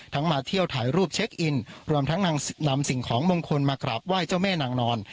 มาเที่ยวถ่ายรูปเช็คอินรวมทั้งนำสิ่งของมงคลมากราบไหว้เจ้าแม่นางนอน